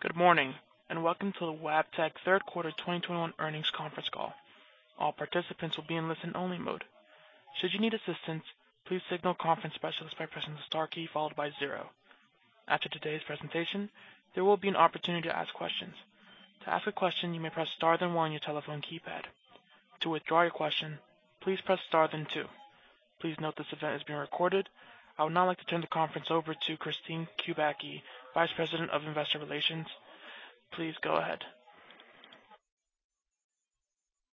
Good morning, and welcome to the Wabtec Third Quarter 2021 Earnings Conference call. All participants will be in listen-only mode. Should you need assistance, please contact the conference specialist by pressing the star key followed by zero. After today's presentation, there will be an opportunity to ask questions. To ask a question, you may press star then one on your telephone keypad. To withdraw your question, please press star then two. Please note this event is being recorded. I would now like to turn the conference over to Kristine Kubacki, Vice President of Investor Relations. Please go ahead.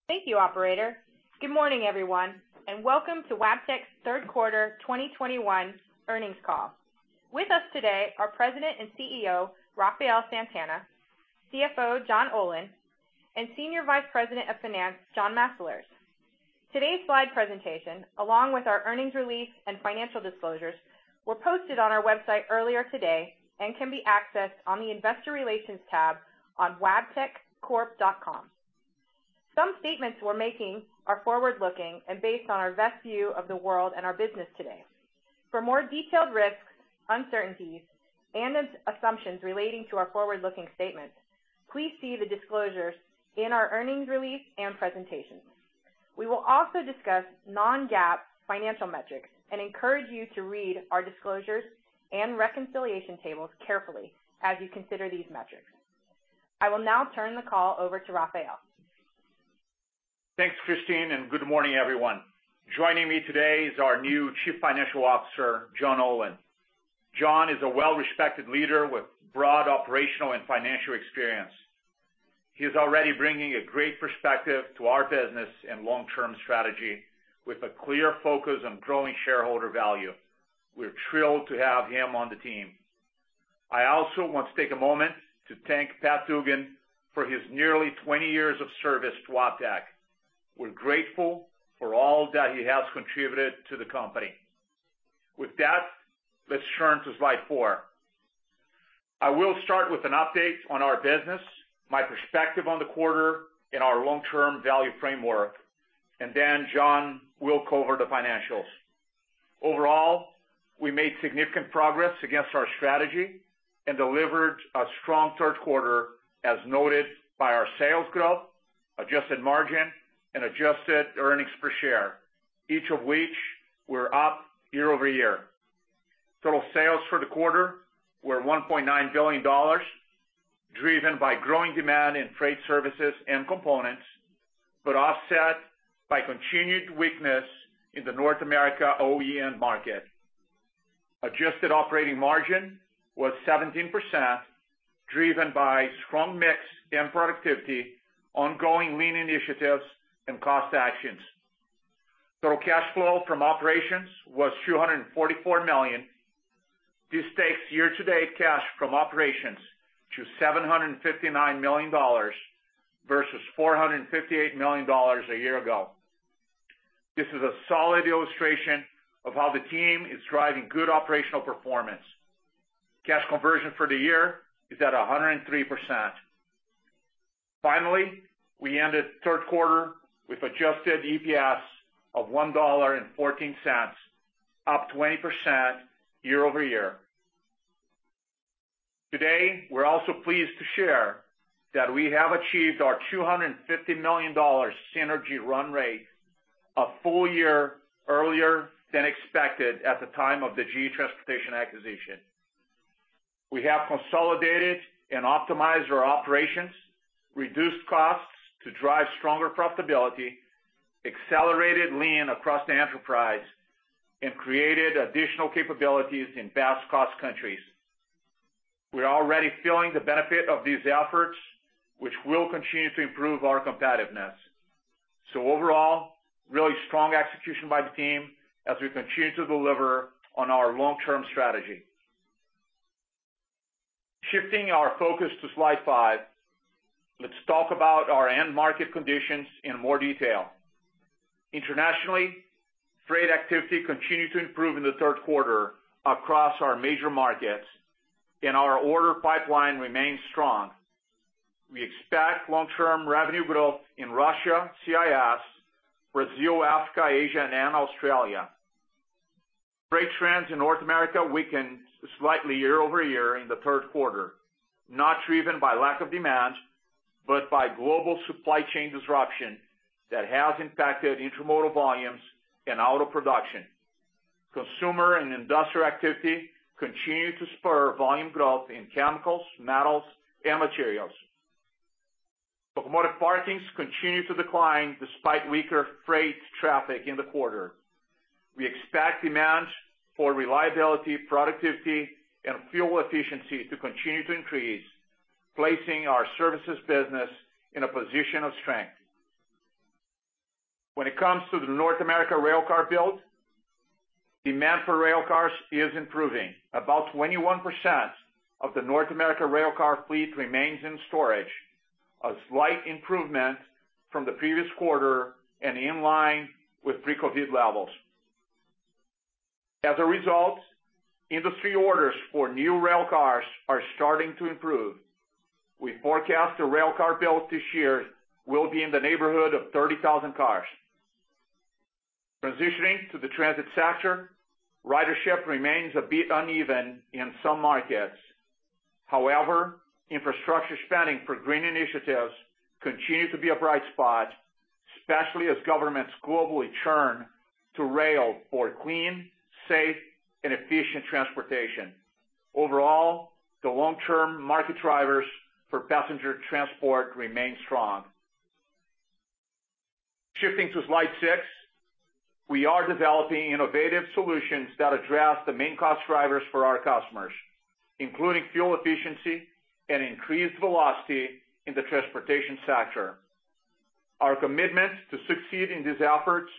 Thank you, operator. Good morning, everyone, and Welcome to Wabtec's Third Quarter 2021 Earnings call. With us today are President and CEO, Rafael Santana, CFO, John Olin, and Senior Vice President of Finance, John Mastalerz. Today's slide presentation, along with our earnings release and financial disclosures, were posted on our website earlier today and can be accessed on the Investor Relations tab on wabteccorp.com. Some statements we're making are forward-looking and based on our best view of the world and our business today. For more detailed risks, uncertainties, and assumptions relating to our forward-looking statements, please see the disclosures in our earnings release and presentations. We will also discuss non-GAAP financial metrics and encourage you to read our disclosures and reconciliation tables carefully as you consider these metrics. I will now turn the call over to Rafael. Thanks, Kristine, and good morning, everyone. Joining me today is our new Chief Financial Officer, John Olin. John is a well-respected leader with broad operational and financial experience. He is already bringing a great perspective to our business and long-term strategy with a clear focus on growing shareholder value. We're thrilled to have him on the team. I also want to take a moment to thank Pat Dugan for his nearly 20 years of service to Wabtec. We're grateful for all that he has contributed to the company. With that, let's turn to slide four. I will start with an update on our business, my perspective on the quarter and our long-term value framework, and then John will cover the financials. Overall, we made significant progress against our strategy and delivered a strong third quarter as noted by our sales growth, adjusted margin, and adjusted earnings per share, each of which were up year over year. Total sales for the quarter were $1.9 billion, driven by growing demand in freight services and components, but offset by continued weakness in the North America OEM market. Adjusted operating margin was 17%, driven by strong mix and productivity, ongoing lean initiatives and cost actions. Total cash flow from operations was $244 million. This takes year-to-date cash from operations to $759 million versus $458 million a year ago. This is a solid illustration of how the team is driving good operational performance. Cash conversion for the year is at 103%. Finally, we ended the third quarter with adjusted EPS of $1.14, up 20% year-over-year. Today, we're also pleased to share that we have achieved our $250 million synergy run rate a full year earlier than expected at the time of the GE Transportation acquisition. We have consolidated and optimized our operations, reduced costs to drive stronger profitability, accelerated lean across the enterprise, and created additional capabilities in best cost countries. We're already feeling the benefit of these efforts, which will continue to improve our competitiveness. Overall, really strong execution by the team as we continue to deliver on our long-term strategy. Shifting our focus to slide five, let's talk about our end market conditions in more detail. Internationally, freight activity continued to improve in the third quarter across our major markets, and our order pipeline remains strong. We expect long-term revenue growth in Russia, CIS, Brazil, Africa, Asia, and Australia. Freight trends in North America weakened slightly year-over-year in the third quarter, not driven by lack of demand, but by global supply chain disruption that has impacted intermodal volumes and auto production. Consumer and industrial activity continued to spur volume growth in chemicals, metals, and materials. Locomotive parkings continued to decline despite weaker freight traffic in the quarter. We expect demand for reliability, productivity, and fuel efficiency to continue to increase, placing our services business in a position of strength. When it comes to the North America railcar build, demand for railcars is improving. About 21% of the North America railcar fleet remains in storage, a slight improvement from the previous quarter and in line with pre-COVID levels. As a result, industry orders for new railcars are starting to improve. We forecast the railcar build this year will be in the neighborhood of 30,000 cars. Transitioning to the transit sector, ridership remains a bit uneven in some markets. However, infrastructure spending for green initiatives continue to be a bright spot, especially as governments globally turn to rail for clean, safe, and efficient transportation. Overall, the long-term market drivers for passenger transport remain strong. Shifting to slide six, we are developing innovative solutions that address the main cost drivers for our customers, including fuel efficiency and increased velocity in the transportation sector. Our commitment to succeeding these efforts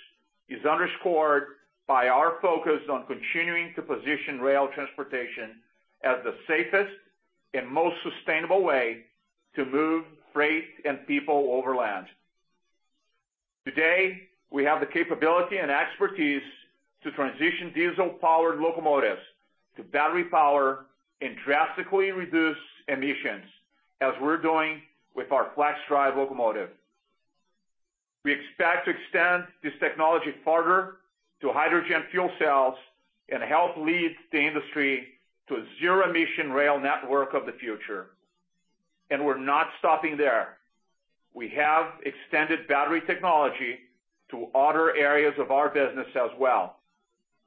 is underscored by our focus on continuing to position rail transportation as the safest and most sustainable way to move freight and people over land. Today, we have the capability and expertise to transition diesel-powered locomotives to battery power and drastically reduce emissions, as we're doing with our FLXdrive locomotive. We expect to extend this technology further to hydrogen fuel cells and help lead the industry to a zero-emission rail network of the future. We're not stopping there. We have extended battery technology to other areas of our business as well,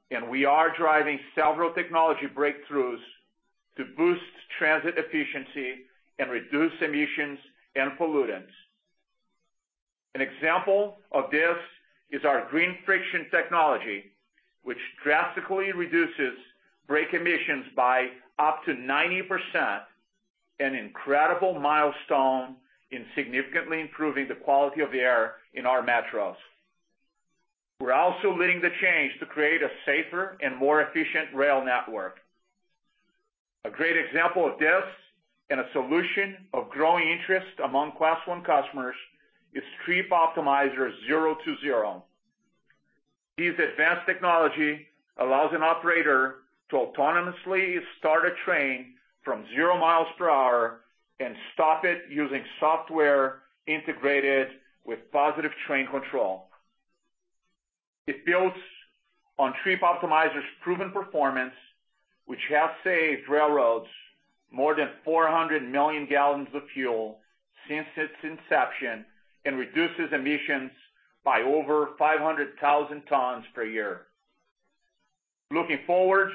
and we are driving several technology breakthroughs to boost transit efficiency and reduce emissions and pollutants. An example of this is our Green Friction technology, which drastically reduces brake emissions by up to 90%, an incredible milestone in significantly improving the quality of the air in our metros. We're also leading the change to create a safer and more efficient rail network. A great example of this and a solution of growing interest among Class I customers is Trip Optimizer Zero-to-Zero. This advanced technology allows an operator to autonomously start a train from zero miles per hour and stop it using software integrated with Positive Train Control. It builds on Trip Optimizer's proven performance, which has saved railroads more than 400 million gal of fuel since its inception and reduces emissions by over 500,000 tons per year. Looking forward,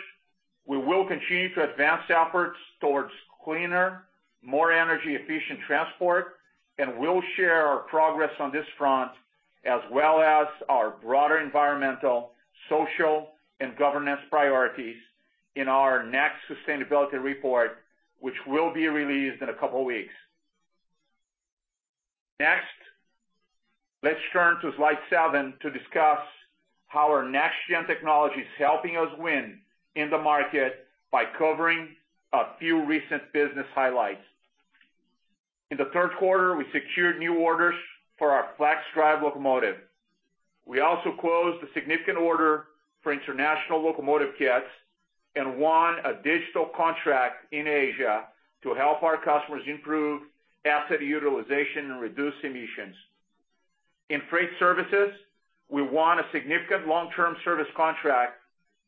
we will continue to advance efforts towards cleaner, more energy efficient transport, and we'll share our progress on this front, as well as our broader environmental, social, and governance priorities in our next sustainability report, which will be released in a couple of weeks. Next, let's turn to slide seven to discuss how our next-gen technology is helping us win in the market by covering a few recent business highlights. In the third quarter, we secured new orders for our FLXdrive locomotive. We also closed a significant order for international locomotive kits and won a digital contract in Asia to help our customers improve asset utilization and reduce emissions. In freight services, we won a significant long-term service contract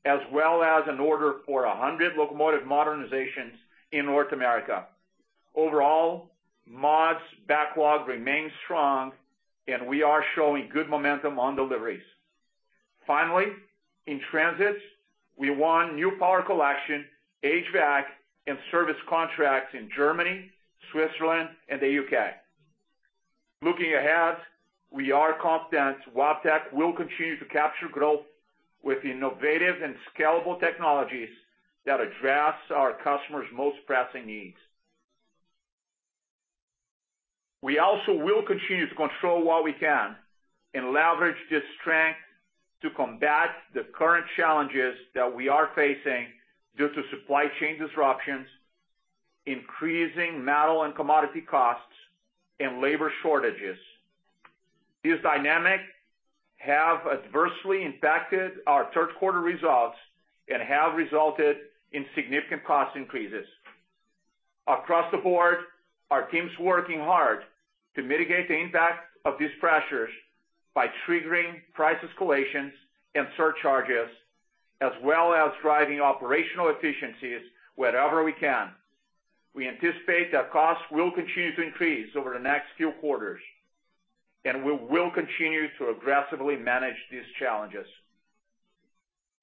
as well as an order for 100 locomotive modernizations in North America. Overall, mods backlog remains strong, and we are showing good momentum on deliveries. Finally, in transit, we won new power collection, HVAC, and service contracts in Germany, Switzerland, and the U.K. Looking ahead, we are confident Wabtec will continue to capture growth with innovative and scalable technologies that address our customers' most pressing needs. We also will continue to control what we can and leverage this strength to combat the current challenges that we are facing due to supply chain disruptions, increasing metal and commodity costs, and labor shortages. These dynamics have adversely impacted our third quarter results and have resulted in significant cost increases. Across the board, our team's working hard to mitigate the impact of these pressures by triggering price escalations and surcharges, as well as driving operational efficiencies wherever we can. We anticipate that costs will continue to increase over the next few quarters, and we will continue to aggressively manage these challenges.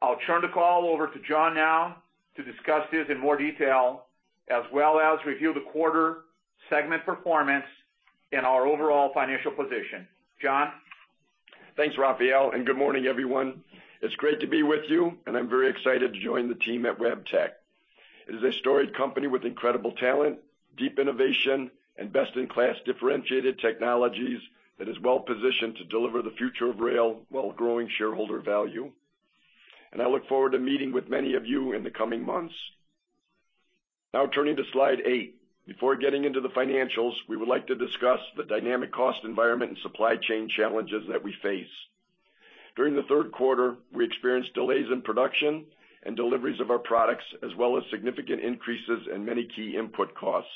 I'll turn the call over to John now to discuss this in more detail, as well as review the quarter segment performance and our overall financial position. John? Thanks, Rafael, and good morning, everyone. It's great to be with you, and I'm very excited to join the team at Wabtec. It is a storied company with incredible talent, deep innovation, and best-in-class differentiated technologies that is well-positioned to deliver the future of rail while growing shareholder value. I look forward to meeting with many of you in the coming months. Now, turning to slide eight. Before getting into the financials, we would like to discuss the dynamic cost environment and supply chain challenges that we face. During the third quarter, we experienced delays in production and deliveries of our products, as well as significant increases in many key input costs.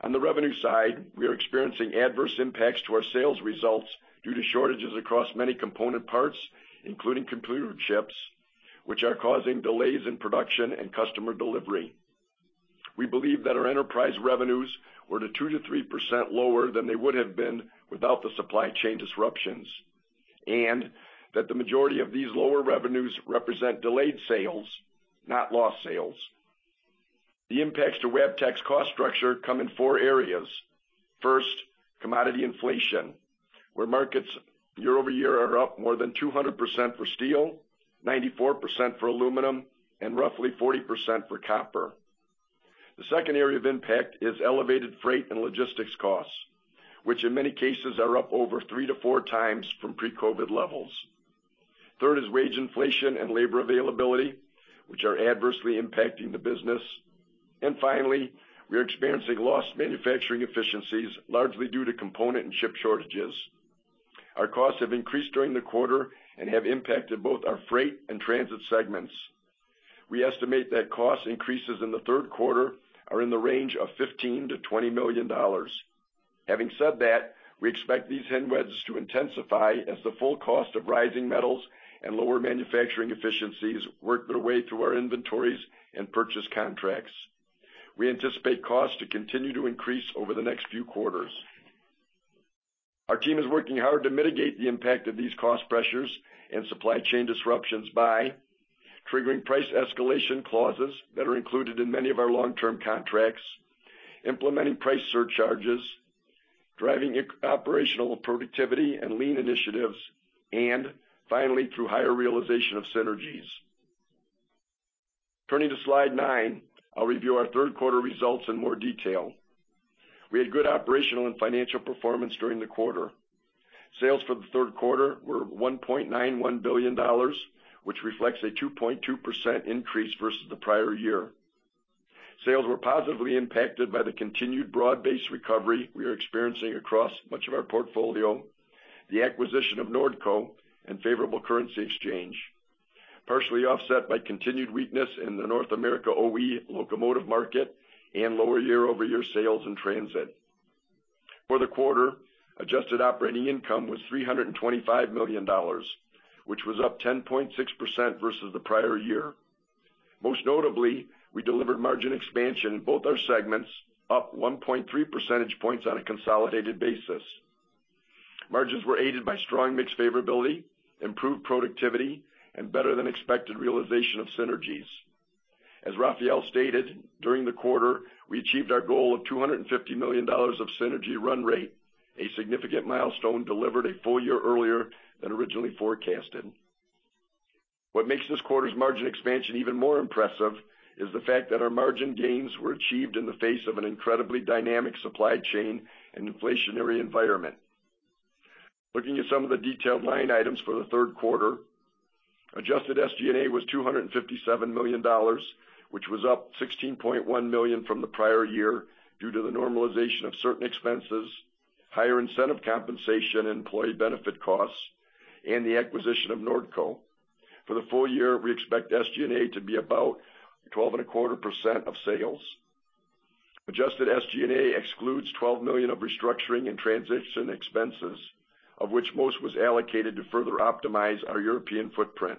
On the revenue side, we are experiencing adverse impacts to our sales results due to shortages across many component parts, including computer chips, which are causing delays in production and customer delivery. We believe that our enterprise revenues were 2%-3% lower than they would have been without the supply chain disruptions, and that the majority of these lower revenues represent delayed sales, not lost sales. The impacts to Wabtec cost structure come in four areas. First, commodity inflation, where markets year-over-year are up more than 200% for steel, 94% for aluminum, and roughly 40% for copper. The second area of impact is elevated freight and logistics costs, which in many cases are up over three to four times from pre-COVID levels. Third is wage inflation and labor availability, which are adversely impacting the business. Finally, we are experiencing lost manufacturing efficiencies, largely due to component and chip shortages. Our costs have increased during the quarter and have impacted both our Freight and Transit segments. We estimate that cost increases in the third quarter are in the range of $15 million-$20 million. Having said that, we expect these headwinds to intensify as the full cost of rising metals and lower manufacturing efficiencies work their way through our inventories and purchase contracts. We anticipate costs to continue to increase over the next few quarters. Our team is working hard to mitigate the impact of these cost pressures and supply chain disruptions by triggering price escalation clauses that are included in many of our long-term contracts, implementing price surcharges, driving operational productivity and lean initiatives, and finally, through higher realization of synergies. Turning to slide nine. I'll review our third quarter results in more detail. We had good operational and financial performance during the quarter. Sales for the third quarter were $1.91 billion, which reflects a 2.2% increase versus the prior year. Sales were positively impacted by the continued broad-based recovery we are experiencing across much of our portfolio, the acquisition of Nordco and favorable currency exchange, partially offset by continued weakness in the North America OE locomotive market and lower year-over-year sales and transit. For the quarter, adjusted operating income was $325 million, which was up 10.6% versus the prior year. Most notably, we delivered margin expansion in both our segments, up 1.3 percentage points on a consolidated basis. Margins were aided by strong mix favorability, improved productivity, and better than expected realization of synergies. As Rafael stated, during the quarter, we achieved our goal of $250 million of synergy run rate, a significant milestone delivered a full year earlier than originally forecasted. What makes this quarter's margin expansion even more impressive is the fact that our margin gains were achieved in the face of an incredibly dynamic supply chain and inflationary environment. Looking at some of the detailed line items for the third quarter, adjusted SG&A was $257 million, which was up $16.1 million from the prior year due to the normalization of certain expenses, higher incentive compensation, employee benefit costs, and the acquisition of Nordco. For the full year, we expect SG&A to be about 12.25% of sales. Adjusted SG&A excludes $12 million of restructuring and transition expenses, of which most was allocated to further optimize our European footprint.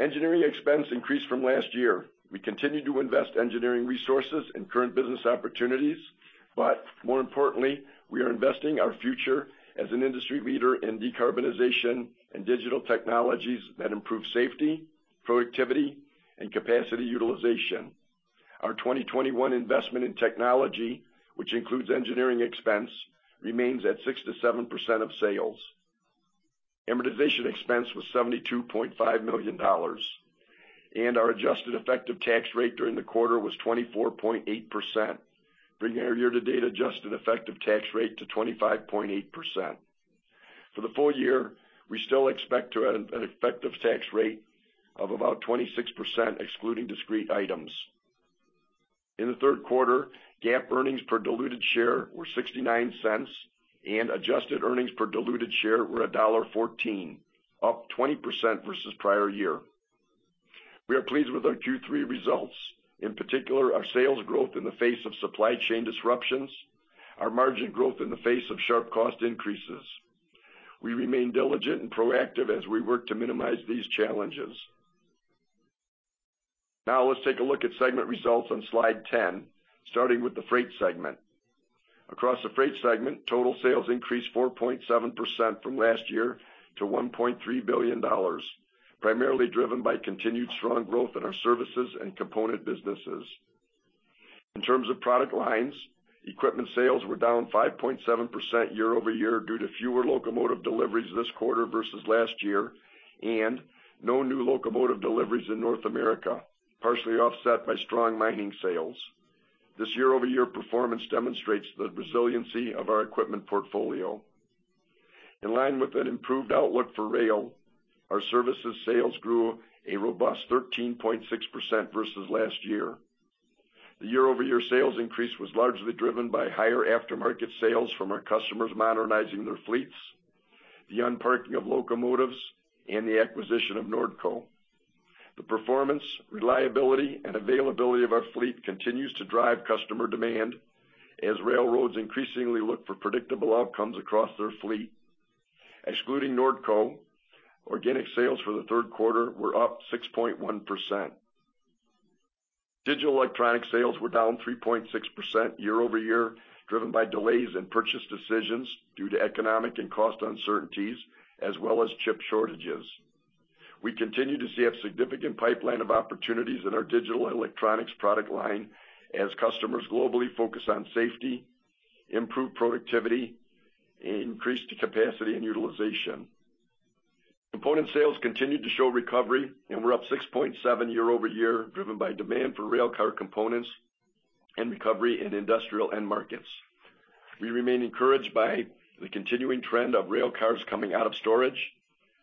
Engineering expense increased from last year. We continued to invest engineering resources in current business opportunities, but more importantly, we are investing our future as an industry leader in decarbonization and digital technologies that improve safety, productivity, and capacity utilization. Our 2021 investment in technology, which includes engineering expense, remains at 6%-7% of sales. Amortization expense was $72.5 million, and our adjusted effective tax rate during the quarter was 24.8%, bringing our year-to-date adjusted effective tax rate to 25.8%. For the full year, we still expect to have an effective tax rate of about 26%, excluding discrete items. In the third quarter, GAAP earnings per diluted share were $0.69 and adjusted earnings per diluted share were $1.14, up 20% versus prior year. We are pleased with our Q3 results, in particular, our sales growth in the face of supply chain disruptions, our margin growth in the face of sharp cost increases. We remain diligent and proactive as we work to minimize these challenges. Now, let's take a look at segment results on slide 10, starting with the Freight segment. Across the Freight segment, total sales increased 4.7% from last year to $1.3 billion, primarily driven by continued strong growth in our services and component businesses. In terms of product lines, equipment sales were down 5.7% year-over-year due to fewer locomotive deliveries this quarter versus last year, and no new locomotive deliveries in North America, partially offset by strong mining sales. This year-over-year performance demonstrates the resiliency of our equipment portfolio. In line with an improved outlook for rail, our services sales grew a robust 13.6% versus last year. The year-over-year sales increase was largely driven by higher aftermarket sales from our customers modernizing their fleets, the unparking of locomotives, and the acquisition of Nordco. The performance, reliability, and availability of our fleet continues to drive customer demand as railroads increasingly look for predictable outcomes across their fleet. Excluding Nordco, organic sales for the third quarter were up 6.1%. Digital electronic sales were down 3.6% year-over-year, driven by delays in purchase decisions due to economic and cost uncertainties as well as chip shortages. We continue to see a significant pipeline of opportunities in our digital and electronics product line as customers globally focus on safety, improved productivity, increased capacity and utilization. Component sales continued to show recovery and were up 6.7% year over year, driven by demand for railcar components and recovery in industrial end markets. We remain encouraged by the continuing trend of railcars coming out of storage,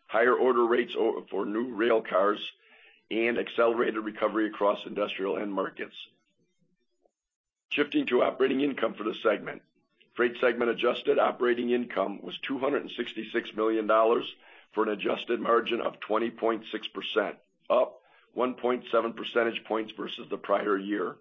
higher order rates for new railcars and accelerated recovery across industrial end markets. Shifting to operating income for the segment. Freight segment adjusted operating income was $266 million for an adjusted margin of 20.6%, up 1.7 percentage points versus the prior year.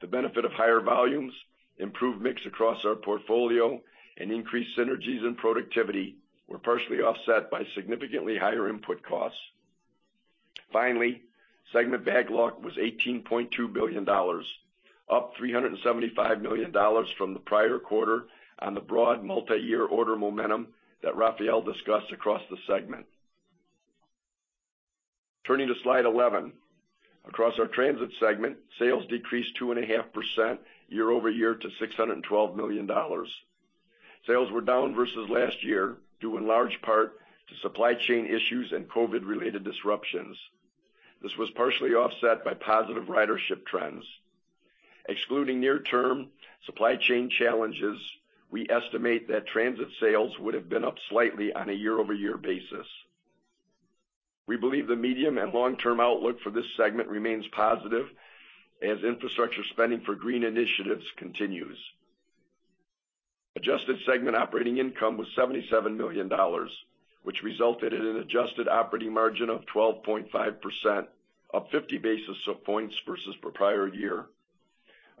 The benefit of higher volumes, improved mix across our portfolio and increased synergies and productivity were partially offset by significantly higher input costs. Finally, segment backlog was $18.2 billion, up $375 million from the prior quarter on the broad multi-year order momentum that Rafael discussed across the segment. Turning to slide 11. Across our Transit segment, sales decreased 2.5% year-over-year to $612 million. Sales were down versus last year, due in large part to supply chain issues and COVID-related disruptions. This was partially offset by positive ridership trends. Excluding near-term supply chain challenges, we estimate that Transit sales would have been up slightly on a year-over-year basis. We believe the medium- and long-term outlook for this segment remains positive as infrastructure spending for green initiatives continues. Adjusted segment operating income was $77 million, which resulted in an adjusted operating margin of 12.5%, up 50 basis points versus the prior year.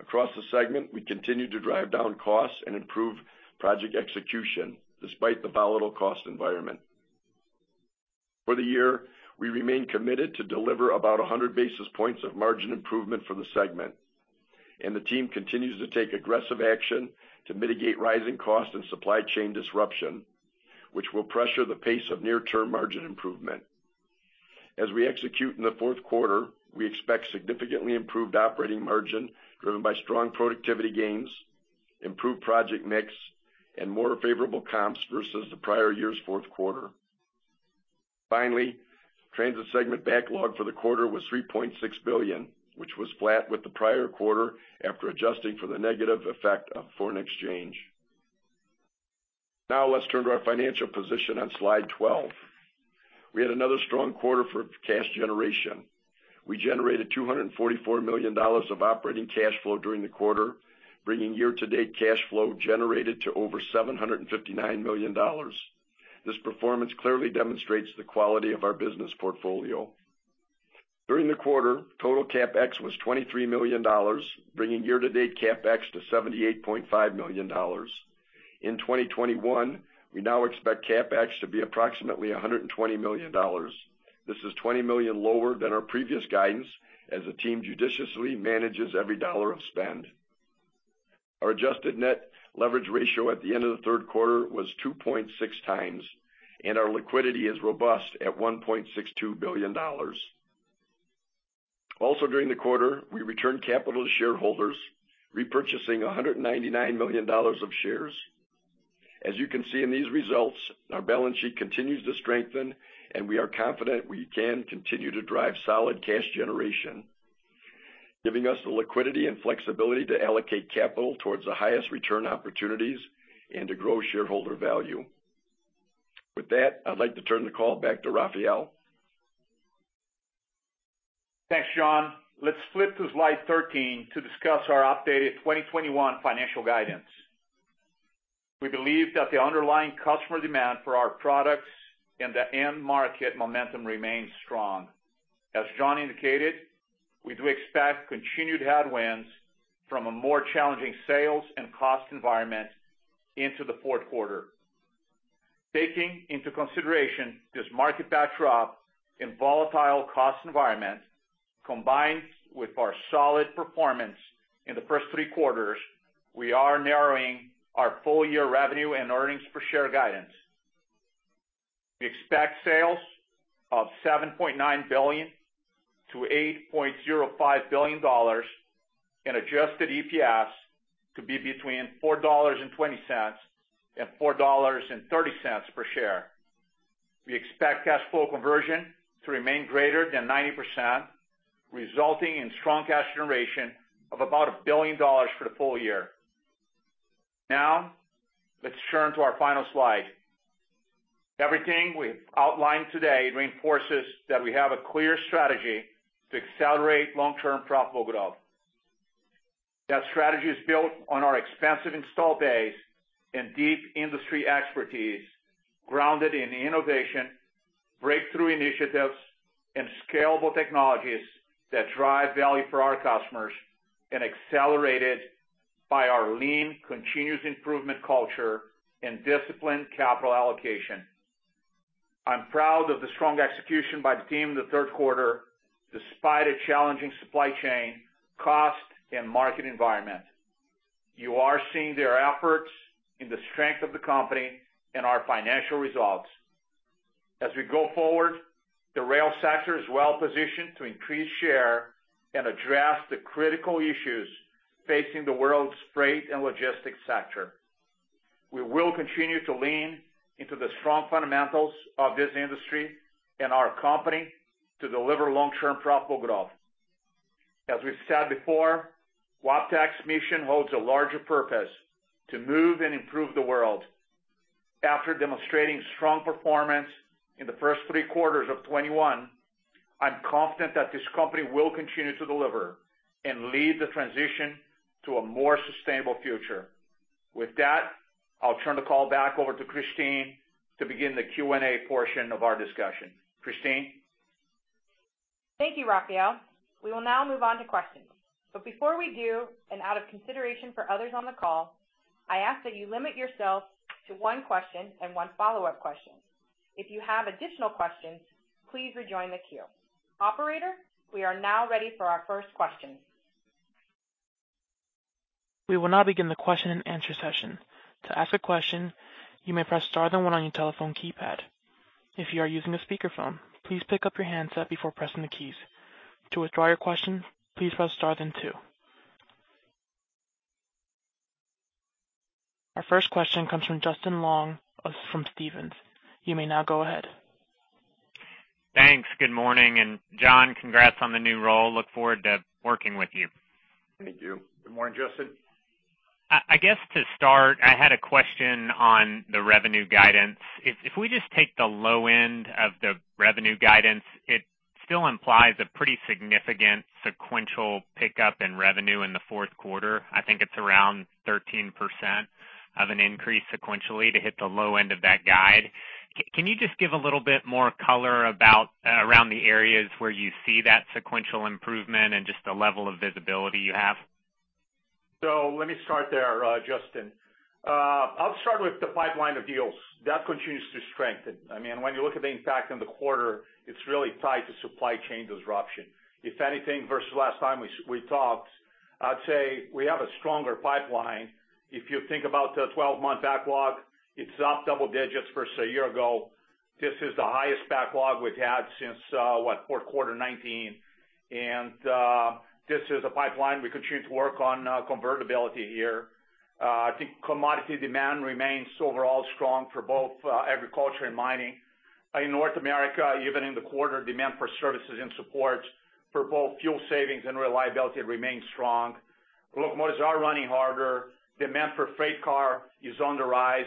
Across the segment, we continued to drive down costs and improve project execution despite the volatile cost environment. For the year, we remain committed to deliver about 100 basis points of margin improvement for the segment, and the team continues to take aggressive action to mitigate rising costs and supply chain disruption, which will pressure the pace of near-term margin improvement. As we execute in the fourth quarter, we expect significantly improved operating margin driven by strong productivity gains, improved project mix, and more favorable comps versus the prior year's fourth quarter. Finally, transit segment backlog for the quarter was $3.6 billion, which was flat with the prior quarter after adjusting for the negative effect of foreign exchange. Now let's turn to our financial position on slide 12. We had another strong quarter for cash generation. We generated $244 million of operating cash flow during the quarter, bringing year-to-date cash flow generated to over $759 million. This performance clearly demonstrates the quality of our business portfolio. During the quarter, total CapEx was $23 million, bringing year-to-date CapEx to $78.5 million. In 2021, we now expect CapEx to be approximately $120 million. This is $20 million lower than our previous guidance as the team judiciously manages every dollar of spend. Our adjusted net leverage ratio at the end of the third quarter was 2.6x, and our liquidity is robust at $1.62 billion. Also, during the quarter, we returned capital to shareholders, repurchasing $199 million of shares. As you can see in these results, our balance sheet continues to strengthen and we are confident we can continue to drive solid cash generation, giving us the liquidity and flexibility to allocate capital towards the highest return opportunities and to grow shareholder value. With that, I'd like to turn the call back to Rafael. Thanks, John. Let's flip to slide 13 to discuss our updated 2021 financial guidance. We believe that the underlying customer demand for our products and the end market momentum remains strong. As John indicated, we do expect continued headwinds from a more challenging sales and cost environment into the fourth quarter. Taking into consideration this market backdrop and volatile cost environment, combined with our solid performance in the first three quarters, we are narrowing our full year revenue and earnings per share guidance. We expect sales of $7.9 billion-$8.05 billion and adjusted EPS to be between $4.20 and $4.30 per share. We expect cash flow conversion to remain greater than 90%, resulting in strong cash generation of about $1 billion for the full year. Now, let's turn to our final slide. Everything we've outlined today reinforces that we have a clear strategy to accelerate long-term profitable growth. That strategy is built on our expansive install base and deep industry expertise, grounded in innovation, breakthrough initiatives, and scalable technologies that drive value for our customers and accelerated by our lean, continuous improvement culture and disciplined capital allocation. I'm proud of the strong execution by the team in the third quarter, despite a challenging supply chain, cost, and market environment. You are seeing their efforts in the strength of the company and our financial results. As we go forward, the rail sector is well positioned to increase share and address the critical issues facing the world's freight and logistics sector. We will continue to lean into the strong fundamentals of this industry and our company to deliver long-term profitable growth. As we've said before, Wabtec's mission holds a larger purpose to move and improve the world. After demonstrating strong performance in the first three quarters of 2021, I'm confident that this company will continue to deliver and lead the transition to a more sustainable future. With that, I'll turn the call back over to Kristine to begin the Q&A portion of our discussion. Kristine? Thank you, Rafael. We will now move on to questions. Before we do, and out of consideration for others on the call, I ask that you limit yourself to one question and one follow-up question. If you have additional questions, please rejoin the queue. Operator, we are now ready for our first question. We will now begin the question-and-answer session. To ask a question, you may press star then one on your telephone keypad. If you are using a speakerphone, please pick up your handset before pressing the keys. To withdraw your question, please press star then two. Our first question comes from Justin Long of Stephens. You may now go ahead. Thanks. Good morning, and John, congrats on the new role. I look forward to working with you. Thank you. Good morning, Justin. I guess to start, I had a question on the revenue guidance. If we just take the low end of the revenue guidance, it still implies a pretty significant sequential pickup in revenue in the fourth quarter. I think it's around 13% increase sequentially to hit the low end of that guide. Can you just give a little bit more color about, around the areas where you see that sequential improvement and just the level of visibility you have? Let me start there, Justin. I'll start with the pipeline of deals. That continues to strengthen. I mean, when you look at the impact on the quarter, it's really tied to supply chain disruption. If anything, versus last time we talked, I'd say we have a stronger pipeline. If you think about the 12-month backlog, it's up double digits versus a year ago. This is the highest backlog we've had since what? Fourth quarter 2019. This is a pipeline we continue to work on, convertibility here. I think commodity demand remains overall strong for both, agriculture and mining. In North America, even in the quarter, demand for services and support for both fuel savings and reliability remains strong. Locomotives are running harder. Demand for freight car is on the rise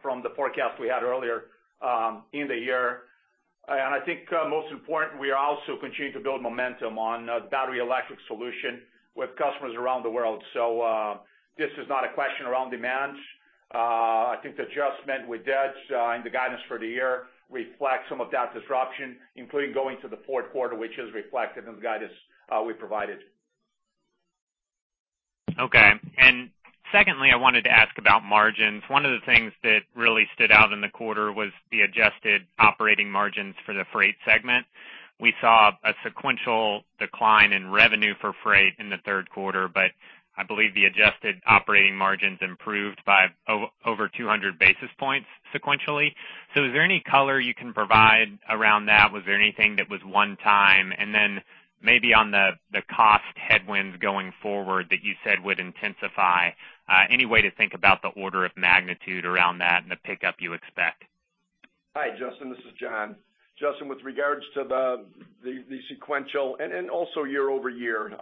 from the forecast we had earlier in the year. I think most important, we are also continuing to build momentum on the battery electric solution with customers around the world. This is not a question around demand. I think the adjustment with that in the guidance for the year reflects some of that disruption, including going to the fourth quarter, which is reflected in the guidance we provided. Okay. Secondly, I wanted to ask about margins. One of the things that really stood out in the quarter was the adjusted operating margins for the freight segment. We saw a sequential decline in revenue for freight in the third quarter, but I believe the adjusted operating margins improved by over 200 basis points sequentially. Is there any color you can provide around that? Was there anything that was one time? Then maybe on the cost headwinds going forward that you said would intensify, any way to think about the order of magnitude around that and the pickup you expect? Hi, Justin, this is John. Justin, with regards to the sequential and also year-over-year,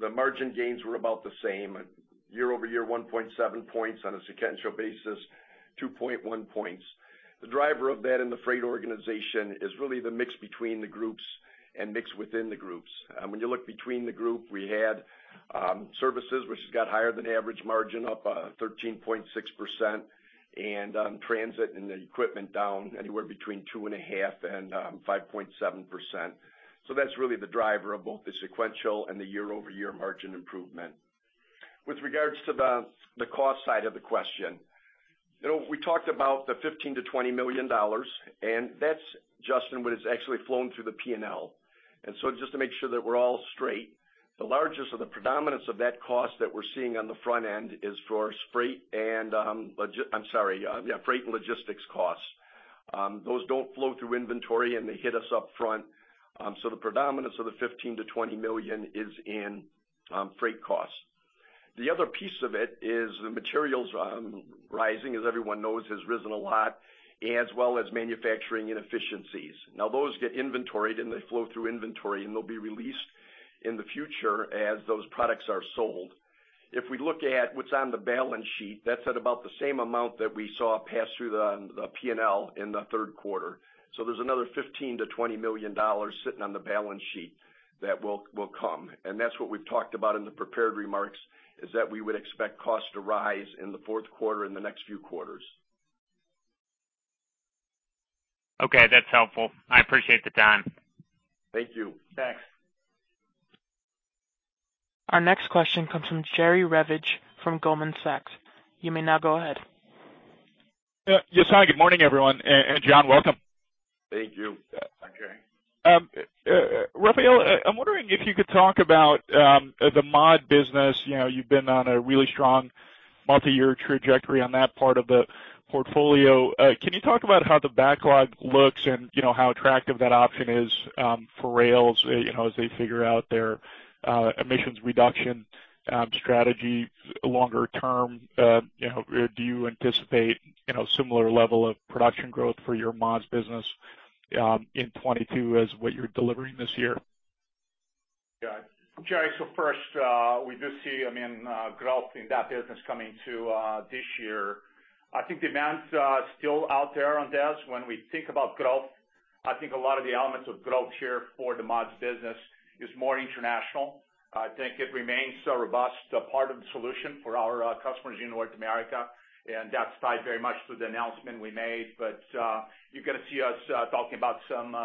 the margin gains were about the same. Year-over-year, 1.7 points. On a sequential basis, 2.1 points. The driver of that in the freight organization is really the mix between the groups and mix within the groups. When you look between the group, we had services, which has got higher than average margin, up 13.6%, and transit and the equipment down anywhere between 2.5% and 5.7%. That's really the driver of both the sequential and the year-over-year margin improvement. With regard to the cost side of the question, you know, we talked about the $15 million-$20 million, and that's, Justin, what is actually flown through the P&L. Just to make sure that we're all straight, the largest of the predominance of that cost that we're seeing on the front end is for freight and logistics costs. Those don't flow through inventory, and they hit us up front. So the predominance of the $15 million-$20 million is in freight costs. The other piece of it is the materials rising, as everyone knows, has risen a lot, as well as manufacturing inefficiencies. Now those get inventoried, and they flow through inventory, and they'll be released in the future as those products are sold. If we look at what's on the balance sheet, that's at about the same amount that we saw pass through the P&L in the third quarter. There's another $15 million-$20 million sitting on the balance sheet that will come. That's what we've talked about in the prepared remarks, is that we would expect costs to rise in the fourth quarter and the next few quarters. Okay, that's helpful. I appreciate the time. Thank you. Next. Our next question comes from Jerry Revich from Goldman Sachs. You may now go ahead. Yes. Hi, good morning, everyone. John, welcome. Thank you. Hi, Jerry. Rafael, I'm wondering if you could talk about the mod business. You know, you've been on a really strong multi-year trajectory on that part of the portfolio. Can you talk about how the backlog looks and, you know, how attractive that option is for rails, you know, as they figure out their emissions reduction strategy longer term? You know, do you anticipate similar level of production growth for your mods business in 2022 as what you're delivering this year? Yeah. Jerry, first, we do see, I mean, growth in that business coming to this year. I think demand's still out there on this. When we think about growth, I think a lot of the elements of growth here for the mods business is more international. I think it remains a robust part of the solution for our customers in North America, and that's tied very much to the announcement we made. You're gonna see us talking about some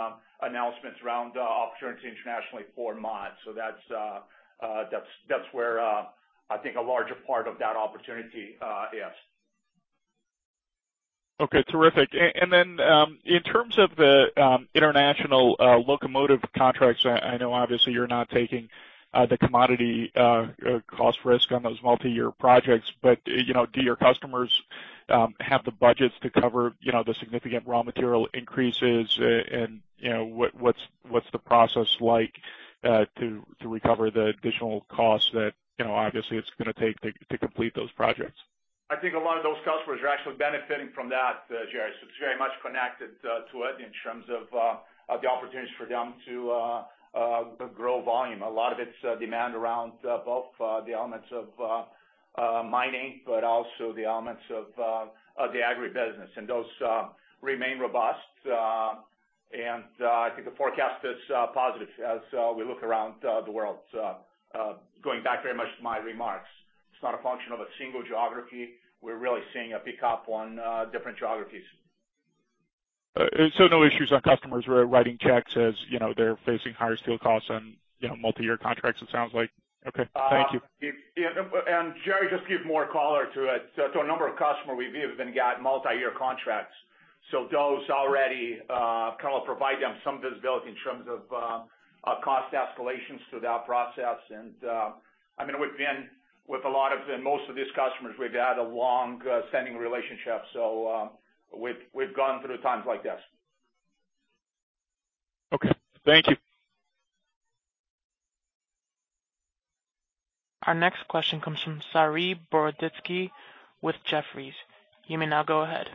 announcements around opportunities internationally for mods. That's where I think a larger part of that opportunity is. Okay, terrific. In terms of the international locomotive contracts, I know obviously you're not taking the commodity cost risk on those multi-year projects, but you know, do your customers have the budgets to cover you know, the significant raw material increases? You know, what's the process like to recover the additional costs that you know, obviously it's gonna take to complete those projects? I think a lot of those customers are actually benefiting from that, Jerry. It's very much connected to it in terms of of the opportunities for them to grow volume. A lot of it's demand around both the elements of mining, but also the elements of the agri business, and those remain robust. I think the forecast is positive as we look around the world. Going back very much to my remarks, it's not a function of a single geography. We're really seeing a pickup on different geographies. No issues on customers who are writing checks as, you know, they're facing higher steel costs on, you know, multi-year contracts, it sounds like? Okay. Thank you. Yeah. Jerry, just give more color to it. A number of customers we've even got multi-year contracts. Those already kind of provide them some visibility in terms of cost escalations through that process. I mean, we've been with a lot of, and most of these customers. We've had a long-standing relationship, so we've gone through times like this. Okay. Thank you. Our next question comes from Saree Boroditsky with Jefferies. You may now go ahead.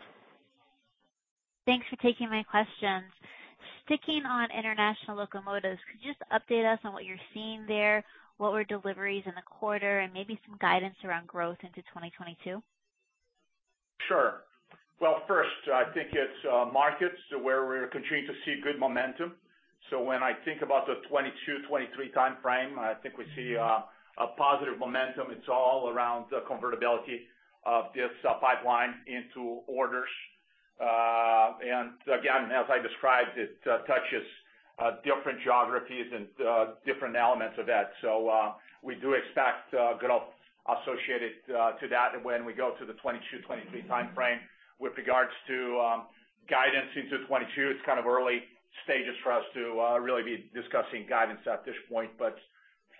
Thanks for taking my questions. Sticking on international locomotives, could you just update us on what you're seeing there, what were deliveries in the quarter, and maybe some guidance around growth into 2022? Sure. Well, first, I think it's markets where we're continuing to see good momentum. When I think about the 2022-2023 timeframe, I think we see a positive momentum. It's all around the convertibility of this pipeline into orders. Again, as I described, it touches different geographies and different elements of that. We do expect growth associated to that when we go to the 2022-2023 timeframe. With regards to guidance into 2022, it's kind of early stages for us to really be discussing guidance at this point, but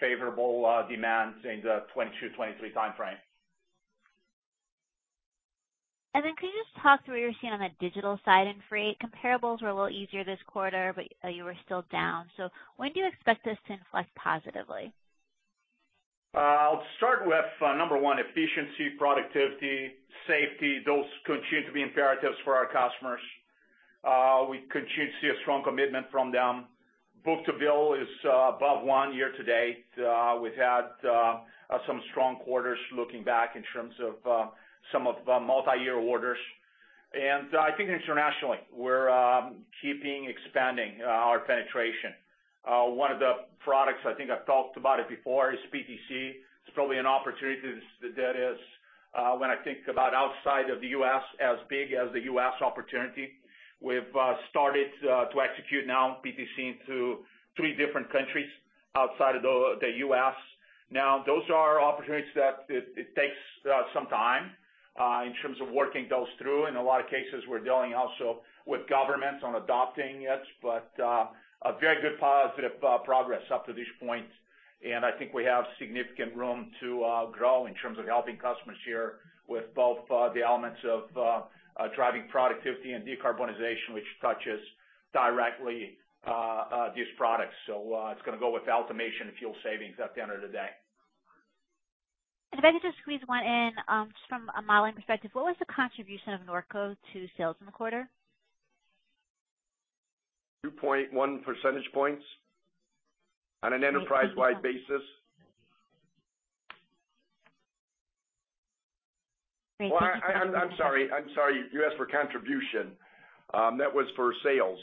favorable demand in the 2022-2023 timeframe. Could you just talk through what you're seeing on the digital side in freight? Comparables were a little easier this quarter, but you were still down. When do you expect this to inflect positively? I'll start with number one, efficiency, productivity, safety. Those continue to be imperatives for our customers. We continue to see a strong commitment from them. Book-to-bill is above one year to date. We've had some strong quarters looking back in terms of some of multi-year orders. I think internationally we're keeping expanding our penetration. One of the products I think I've talked about before is PTC. It's probably an opportunity that is, when I think about outside of the U.S., as big as the U.S. opportunity. We've started to execute now PTC into three different countries outside of the U.S. Now those are opportunities that it takes some time in terms of working those through. In a lot of cases, we're dealing also with governments on adopting it, but a very good positive progress up to this point. I think we have significant room to grow in terms of helping customers here with both the elements of driving productivity and decarbonization, which touches directly these products. It's gonna go with automation and fuel savings at the end of the day. If I could just squeeze one in, just from a modeling perspective, what was the contribution of Nordco to sales in the quarter? 2.1 percentage points on an enterprise-wide basis. Great. Thank you. Well, I'm sorry. You asked for contribution. That was for sales.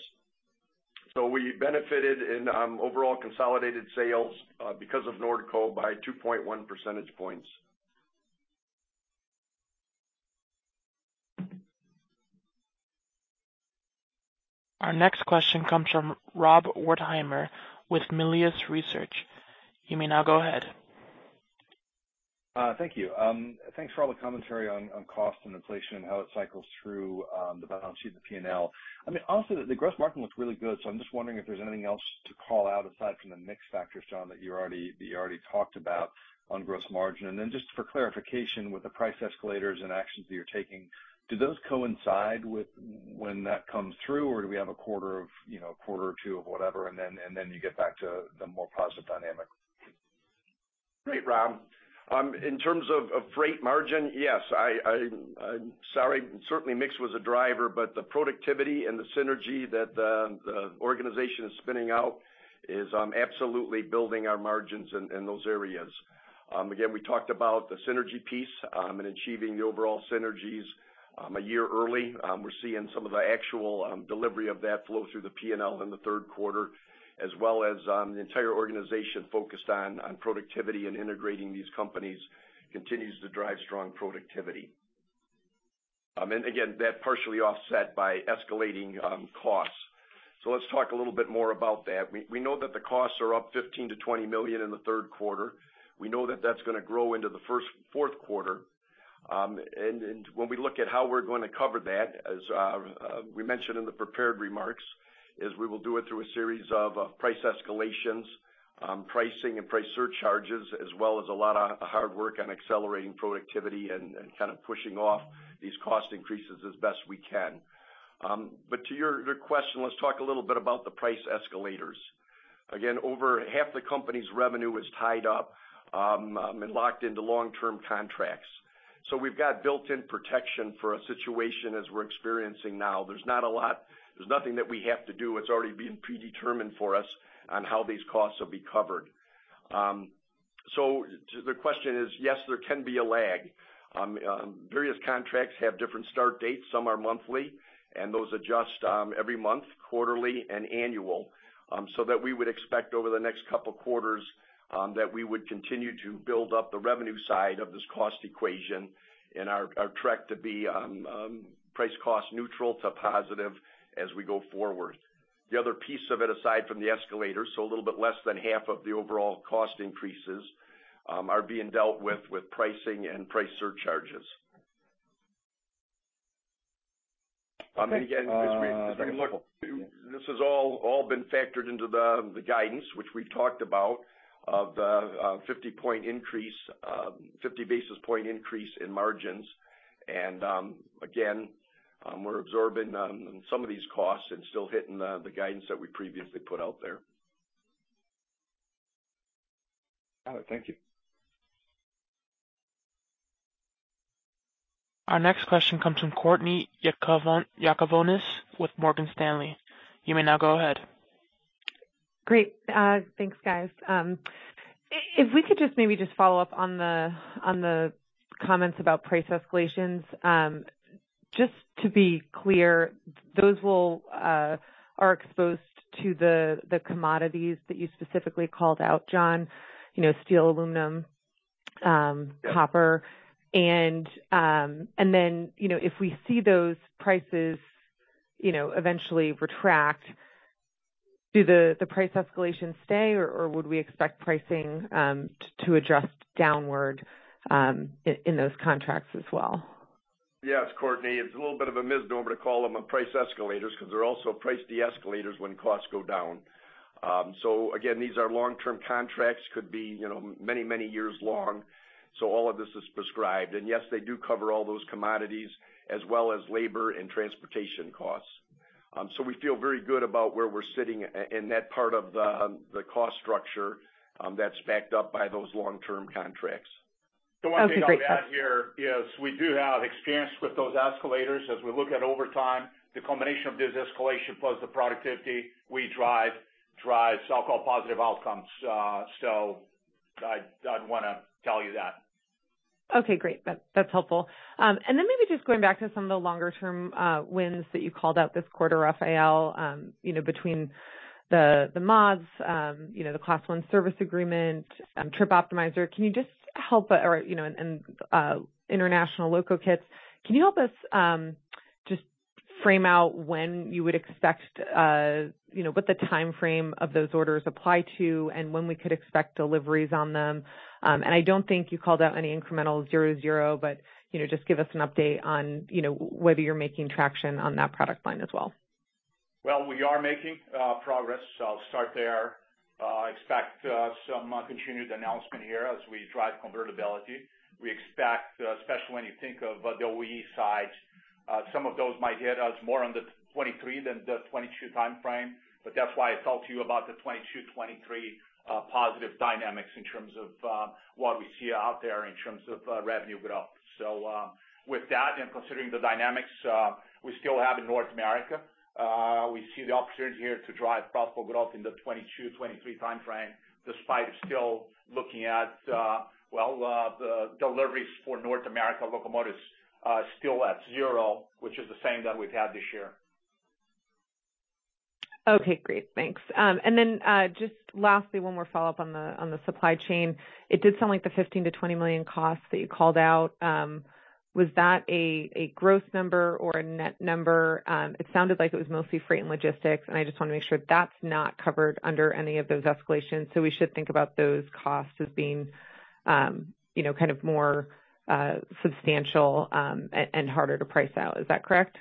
We benefited in overall consolidated sales because of Nordco by 2.1 percentage points. Our next question comes from Rob Wertheimer with Melius Research. You may now go ahead. Thank you. Thanks for all the commentary on cost and inflation and how it cycles through the balance sheet and P&L. I mean, also the gross margin looks really good, so I'm just wondering if there's anything else to call out aside from the mix factors, John, that you already talked about on gross margin. Then just for clarification, with the price escalators and actions that you're taking, do those coincide with when that comes through, or do we have a quarter of a quarter or two of whatever, and then you get back to the more positive dynamic? Great, Rob. In terms of freight margin, yes, certainly mix was a driver, but the productivity and the synergy that the organization is spinning out is absolutely building our margins in those areas. Again, we talked about the synergy piece and achieving the overall synergies a year early. We're seeing some of the actual delivery of that flow through the P&L in the third quarter, as well as the entire organization focused on productivity and integrating these companies continues to drive strong productivity. Again, that partially offset by escalating costs. Let's talk a little bit more about that. We know that the costs are up $15 million-$20 million in the third quarter. We know that that's gonna grow into the fourth quarter. When we look at how we're going to cover that, as we mentioned in the prepared remarks, we will do it through a series of price escalations, pricing and price surcharges, as well as a lot of hard work on accelerating productivity and kind of pushing off these cost increases as best we can. To your question, let's talk a little bit about the price escalators. Again, over half the company's revenue is tied up and locked into long-term contracts. We've got built-in protection for a situation as we're experiencing now. There's not a lot. There's nothing that we have to do. It's already been predetermined for us on how these costs will be covered. To the question is, yes, there can be a lag. Various contracts have different start dates. Some are monthly, and those adjust every month, quarterly and annual, so that we would expect over the next couple quarters that we would continue to build up the revenue side of this cost equation and we're on track to be price cost neutral to positive as we go forward. The other piece of it, aside from the escalator, so a little bit less than half of the overall cost increases are being dealt with pricing and price surcharges. Okay. Again, as we look, this has all been factored into the guidance which we talked about of the 50 basis point increase in margins. Again, we're absorbing some of these costs and still hitting the guidance that we previously put out there. Got it. Thank you. Our next question comes from Courtney Yakavonis with Morgan Stanley. You may now go ahead. Great. Thanks, guys. If we could just maybe just follow up on the comments about price escalations. Just to be clear, those are exposed to the commodities that you specifically called out, John, you know, steel, aluminum, copper. Then, you know, if we see those prices, you know, eventually retract, do the price escalations stay or would we expect pricing to adjust downward in those contracts as well? Yes, Courtney. It's a little bit of a misnomer to call them a price escalators because they're also price deescalators when costs go down. Again, these are long-term contracts, could be, you know, many, many years long. All of this is prescribed. Yes, they do cover all those commodities as well as labor and transportation costs. We feel very good about where we're sitting in that part of the cost structure, that's backed up by those long-term contracts. Okay, great. Thanks. The one thing I'll add here is we do have experience with those escalators. As we look at overtime, the combination of this escalation plus the productivity we drive drives, I'll call, positive outcomes. I'd wanna tell you that. Okay, great. That's helpful. Then maybe just going back to some of the longer-term wins that you called out this quarter, Rafael, you know, between the mods, you know, the Class I service agreement, Trip Optimizer. Can you help us just frame out when you would expect, you know, what the timeframe of those orders apply to and when we could expect deliveries on them? I don't think you called out any incremental Zero-to-Zero, but, you know, just give us an update on, you know, whether you're making traction on that product line as well. Well, we are making progress. I'll start there. We expect some continued announcement here as we drive convertibility. We expect, especially when you think of the OE side, some of those might hit us more on the 2023 than the 2022 timeframe, but that's why I talked to you about the 2022-2023 positive dynamics in terms of what we see out there in terms of revenue growth. With that and considering the dynamics we still have in North America, we see the opportunity here to drive profitable growth in the 2022-2023 timeframe, despite still looking at, well, the deliveries for North America locomotives still at zero, which is the same that we've had this year. Okay, great. Thanks. Just lastly, one more follow-up on the supply chain. It did sound like the $15 million-$20 million costs that you called out, was that a gross number or a net number? It sounded like it was mostly freight and logistics, and I just wanna make sure that's not covered under any of those escalations. We should think about those costs as being, you know, kind of more substantial and harder to price out. Is that correct?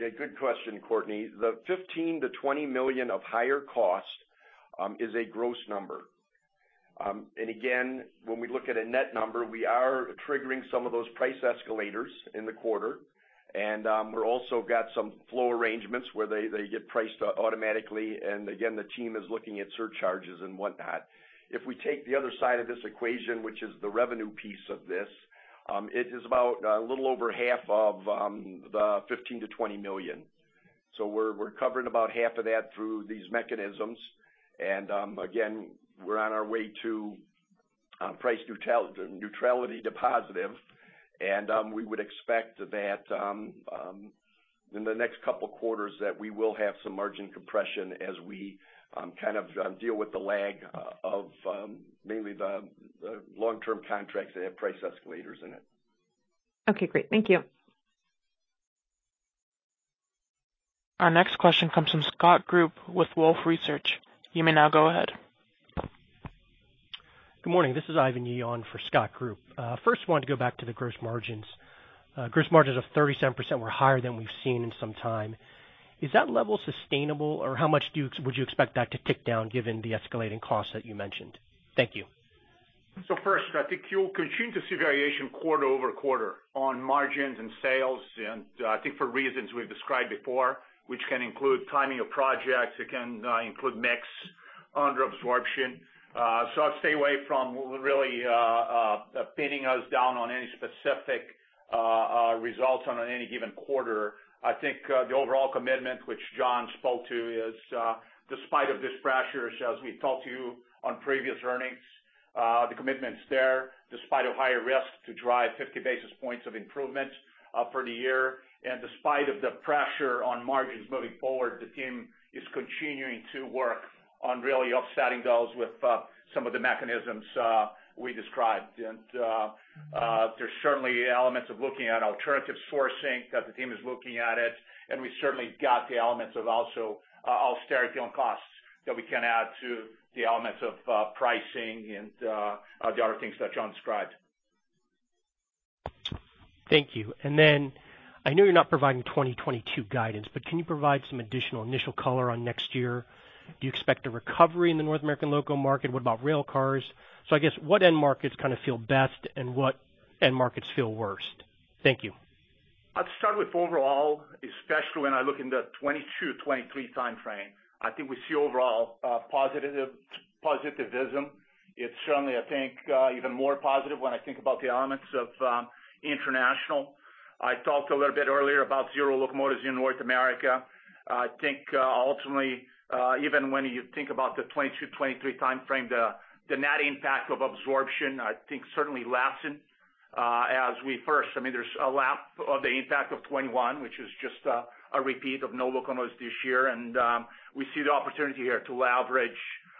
Yeah, good question, Courtney. The $15 million-$20 million of higher cost is a gross number. Again, when we look at a net number, we are triggering some of those price escalators in the quarter. We're also got some flow arrangements where they get priced automatically. Again, the team is looking at surcharges and whatnot. If we take the other side of this equation, which is the revenue piece of this, it is about a little over half of the $15 million-$20 million. We're covering about half of that through these mechanisms. Again, we're on our way to price neutrality to positive. We would expect that in the next couple of quarters that we will have some margin compression as we kind of deal with the lag of mainly the long-term contracts that have price escalators in it. Okay, great. Thank you. Our next question comes from Scott Group with Wolfe Research. You may now go ahead. Good morning. This is Ivan Yi on for Scott Group. First, I wanted to go back to the gross margins. Gross margins of 37% were higher than we've seen in some time. Is that level sustainable, or how much would you expect that to tick down given the escalating costs that you mentioned? Thank you. First, I think you'll continue to see variation quarter-over-quarter on margins and sales, and I think for reasons we've described before, which can include timing of projects, it can include mix, under absorption. I'd stay away from really pinning us down on any specific results on any given quarter. I think the overall commitment, which John spoke to is despite these pressures, as we've talked to you on previous earnings, the commitment's there, despite higher risk to drive 50 basis points of improvement for the year. Despite the pressure on margins moving forward, the team is continuing to work on really offsetting those with some of the mechanisms we described. There's certainly elements of looking at alternative sourcing that the team is looking at it, and we certainly got the elements of also, austerity on costs that we can add to the elements of, pricing and, the other things that John described. Thank you. Then I know you're not providing 2022 guidance, but can you provide some additional initial color on next year? Do you expect a recovery in the North American locomotive market? What about railcars? I guess what end markets kinda feel best and what end markets feel worst? Thank you. I'd start with overall, especially when I look in the 2022-2023 timeframe, I think we see overall positivity. It's certainly, I think, even more positive when I think about the elements of international. I talked a little bit earlier about zero locomotives in North America. I think ultimately even when you think about the 2022-2023 timeframe, the net impact of absorption, I think certainly lessens as we first. I mean, there's a lapse of the impact of 2021, which is just a repeat of no locomotives this year. We see the opportunity here to leverage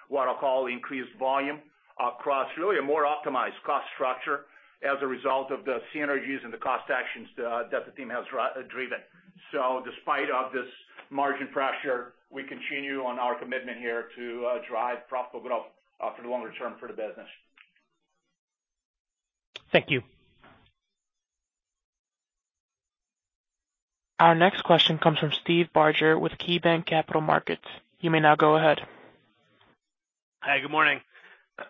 what I'll call increased volume across really a more optimized cost structure as a result of the synergies and the cost actions that the team has driven. Despite of this margin pressure, we continue on our commitment here to drive profitable growth for the longer term for the business. Thank you. Our next question comes from Steve Barger with KeyBanc Capital Markets. You may now go ahead. Hi, good morning.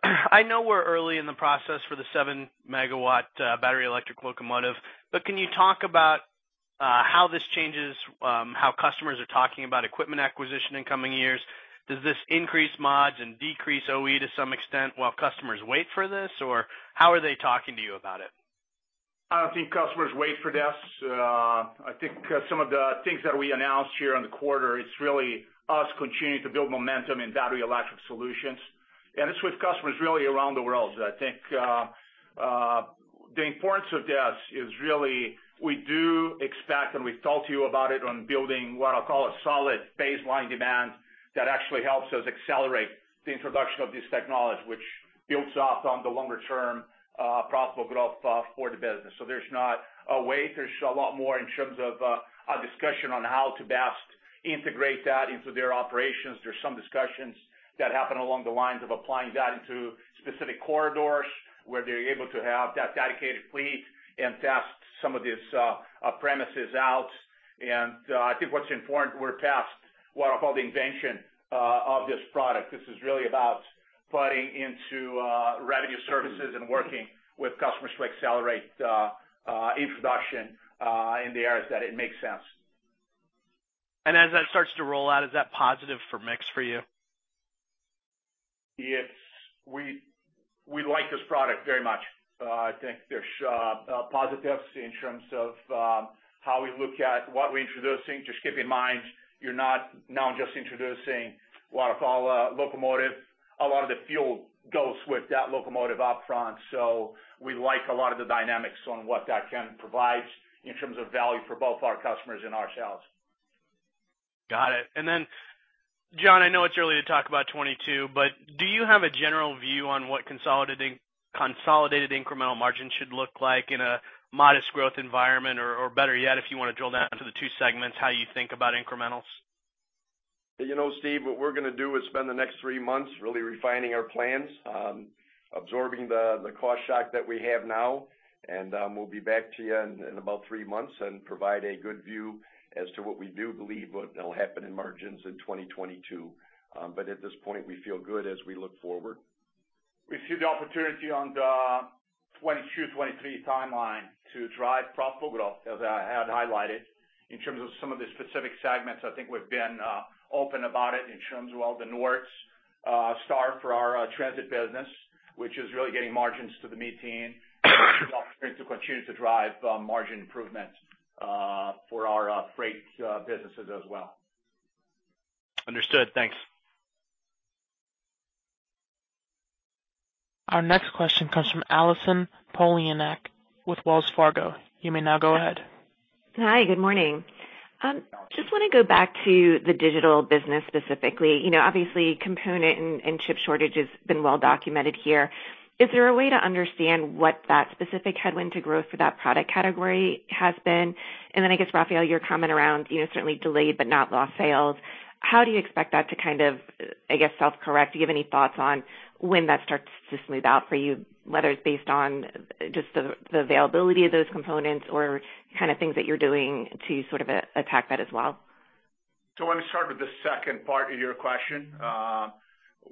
I know we're early in the process for the 7 MW battery electric locomotive, but can you talk about how this changes how customers are talking about equipment acquisition in coming years? Does this increase mods and decrease OE to some extent while customers wait for this? Or how are they talking to you about it? I don't think customers wait for this. I think some of the things that we announced here on the quarter, it's really us continuing to build momentum in battery electric solutions. It's with customers really around the world. I think the importance of this is really we do expect, and we've talked to you about it, on building what I'll call a solid baseline demand that actually helps us accelerate the introduction of this technology, which builds up on the longer term profitable growth for the business. There's not a wait. There's a lot more in terms of a discussion on how to best integrate that into their operations. There's some discussions that happen along the lines of applying that into specific corridors, where they're able to have that dedicated fleet and test some of these premises out. I think what's important, we're past what I call the invention of this product. This is really about buying into revenue services and working with customers to accelerate introduction in the areas that it makes sense. As that starts to roll out, is that positive for mix for you? We like this product very much. I think there's positives in terms of how we look at what we're introducing. Just keep in mind, you're not now just introducing a lot of our locomotive. A lot of the fuel goes with that locomotive up front. We like a lot of the dynamics on what that can provide in terms of value for both our customers and ourselves. Got it. Then, John, I know it's early to talk about 2022, but do you have a general view on what consolidated incremental margin should look like in a modest growth environment? Or better yet, if you wanna drill down to the two segments, how you think about incrementals? You know, Steve, what we're gonna do is spend the next three months really refining our plans, absorbing the cost shock that we have now. We'll be back to you in about three months and provide a good view as to what we do believe will happen in margins in 2022. At this point, we feel good as we look forward. We see the opportunity on the 2022-2023 timeline to drive profitable growth, as I had highlighted. In terms of some of the specific segments, I think we've been open about it in terms of all the North Star for our transit business, which is really getting margins to the mid-teens. Opportunity to drive margin improvements for our freight businesses as well. Understood. Thanks. Our next question comes from Allison Poliniak-Cusic with Wells Fargo. You may now go ahead. Hi, good morning. Just wanna go back to the digital business specifically. You know, obviously, component and chip shortage has been well documented here. Is there a way to understand what that specific headwind to growth for that product category has been? And then I guess, Rafael, your comment around, you know, certainly delayed but not lost sales, how do you expect that to kind of, I guess, self-correct? Do you have any thoughts on when that starts to smooth out for you, whether it's based on just the availability of those components or kind of things that you're doing to sort of attack that as well? Let me start with the second part of your question.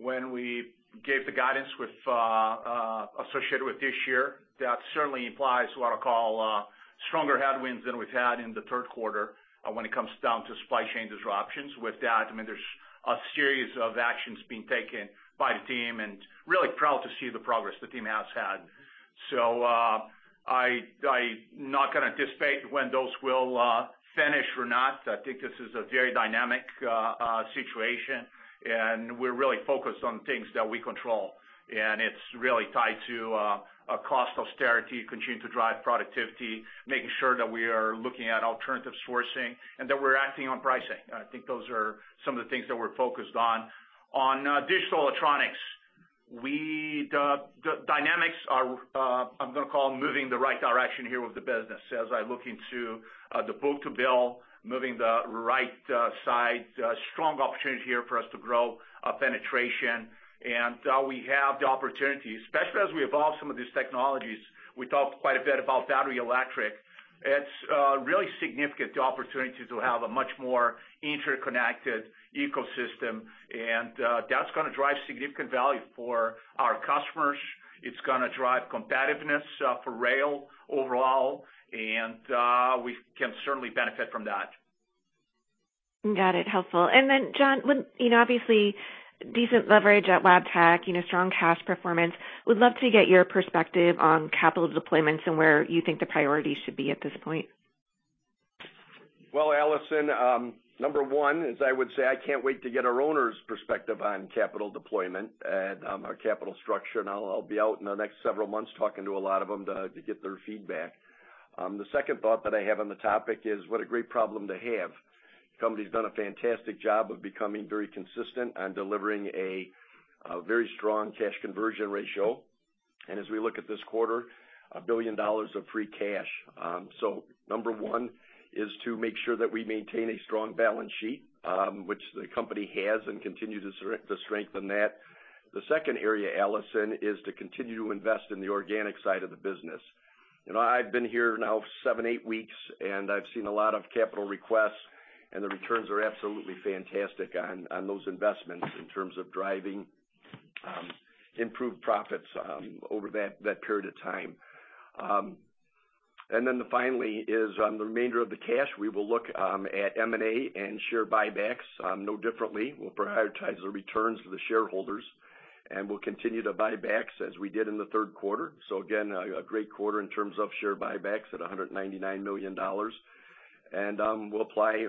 When we gave the guidance with associated with this year, that certainly implies what I call stronger headwinds than we've had in the third quarter when it comes down to supply chain disruptions. With that, I mean, there's a series of actions being taken by the team, and really proud to see the progress the team has had. I not gonna anticipate when those will finish or not. I think this is a very dynamic situation, and we're really focused on things that we control. It's really tied to a cost austerity, continuing to drive productivity, making sure that we are looking at alternative sourcing and that we're acting on pricing. I think those are some of the things that we're focused on. On digital electronics, the dynamics are, I'm gonna call, moving in the right direction here with the business. As I look into the book-to-bill moving the right side strong opportunity here for us to grow penetration, we have the opportunity, especially as we evolve some of these technologies. We talked quite a bit about battery electric. It's really significant, the opportunity to have a much more interconnected ecosystem. That's gonna drive significant value for our customers. It's gonna drive competitiveness for rail overall, and we can certainly benefit from that. Got it. Helpful. John, when, you know, obviously, decent leverage at Wabtec, you know, strong cash performance, would love to get your perspective on capital deployments and where you think the priorities should be at this point. Well, Allison, number one is I would say I can't wait to get our owners' perspective on capital deployment and, our capital structure, and I'll be out in the next several months talking to a lot of them to get their feedback. The second thought that I have on the topic is what a great problem to have. Company's done a fantastic job of becoming very consistent on delivering a very strong cash conversion ratio. As we look at this quarter, $1 billion of free cash. So number one is to make sure that we maintain a strong balance sheet, which the company has and continue to strengthen that. The second area, Allison, is to continue to invest in the organic side of the business. You know, I've been here now seven, eight weeks, and I've seen a lot of capital requests, and the returns are absolutely fantastic on those investments in terms of driving improved profits over that period of time. Finally, on the remainder of the cash, we will look at M&A and share buybacks no differently. We'll prioritize the returns to the shareholders, and we'll continue to buybacks as we did in the third quarter. Again, a great quarter in terms of share buybacks at $199 million. We'll apply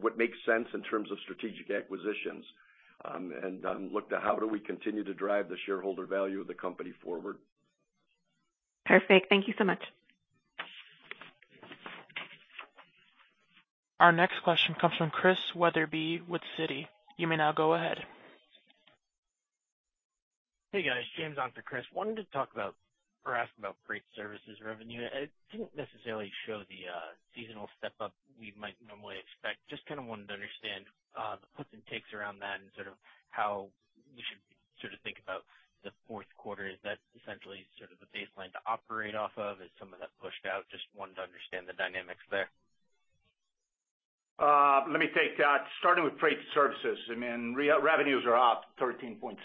what makes sense in terms of strategic acquisitions, and look to how do we continue to drive the shareholder value of the company forward. Perfect. Thank you so much. Our next question comes from Christian Wetherbee with Citi. You may now go ahead. Hey, guys. James on for Chris. Wanted to talk about or ask about freight services revenue. It didn't necessarily show the seasonal step-up we might normally expect. Just kinda wanted to understand the puts and takes around that and sort of how we should sort of think about the fourth quarter. Is that essentially sort of the baseline to operate off of? Is some of that pushed out? Just wanted to understand the dynamics there. Let me take that. Starting with freight services, I mean, revenues are up 13.6%.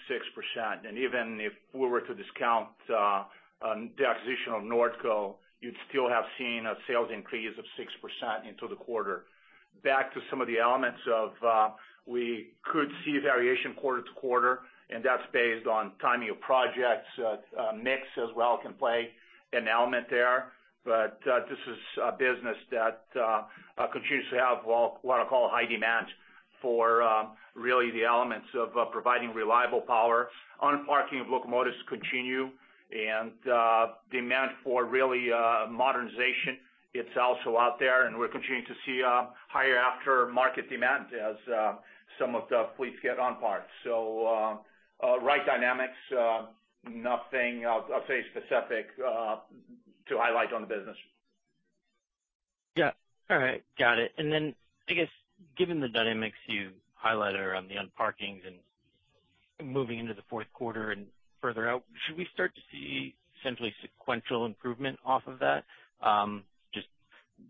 Even if we were to discount the acquisition of Nordco, you'd still have seen a sales increase of 6% in the quarter. Back to some of the elements of the business, we could see variation quarter-to-quarter, and that's based on timing of projects. This is a business that continues to have, well, what I call high demand for really the elements of providing reliable power. Unparking of locomotives continue and demand for really modernization. It's also out there, and we're continuing to see higher aftermarket demand as some of the fleets get unparked. Freight dynamics. Nothing specific I'll say to highlight on the business. Yeah. All right. Got it. I guess, given the dynamics you highlighted around the unparkings and moving into the fourth quarter and further out, should we start to see simply sequential improvement off of that? Just